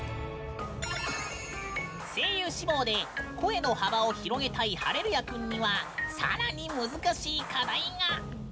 声優志望で声の幅を広げたいハレルヤくんにはさらに難しい課題が。